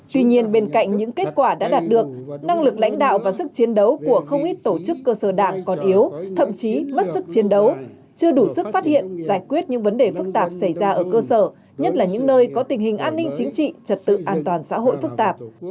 tuy nhiên bên cạnh những kết quả đã đạt được năng lực lãnh đạo và sức chiến đấu của không ít tổ chức cơ sở đảng còn yếu thậm chí mất sức chiến đấu chưa đủ sức phát hiện giải quyết những vấn đề phức tạp xảy ra ở cơ sở nhất là những nơi có tình hình an ninh chính trị trật tự an toàn xã hội phức tạp